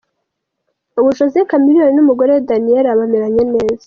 Ubu Jose Chameleone n'umugore we Daniella bameranye neza.